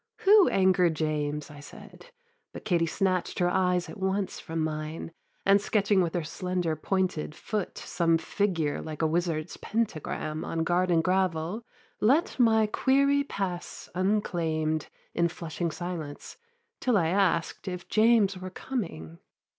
Who anger'd James? I said. But Katie snatch'd her eyes at once from mine, And sketching with her slender pointed foot Some figure like a wizard's pentagram On garden gravel, let my query pass Unclaim'd, in flushing silence, till I ask'd If James were coming.